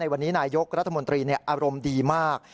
ในวันนี้นายองค์รัฐมนตรีเนี่ยอารมณ์ดีมาก